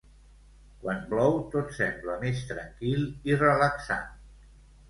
Quan plou, tot sembla més tranquil i relaxant.